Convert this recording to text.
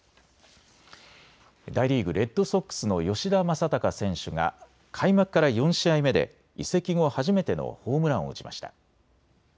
大リーグ、レッドソックスの吉田正尚選手が開幕から４試合目で移籍後初めてのホームランを打ちました。